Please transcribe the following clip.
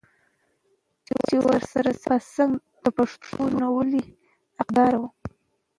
چې ورسره څنګ په څنګ د پښتونولۍ د اقدارو